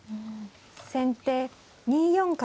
先手２四角。